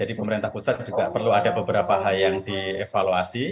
pemerintah pusat juga perlu ada beberapa hal yang dievaluasi